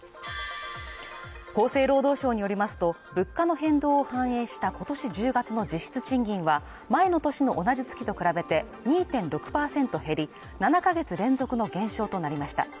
厚生労働省によりますと物価の変動を反映したことし１０月の実質賃金は前の年の同じ月と比べて２．６％減り７か月連続の減少となりました